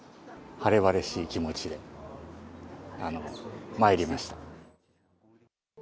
晴れ晴れしい気持ちで参りました。